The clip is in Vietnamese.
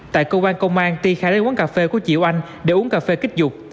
tại cơ quan công an ti khai lấy quán cà phê của chiều anh để uống cà phê kích dục